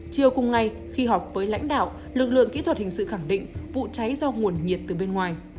chiều cùng ngày khi họp với lãnh đạo lực lượng kỹ thuật hình sự khẳng định vụ cháy do nguồn nhiệt từ bên ngoài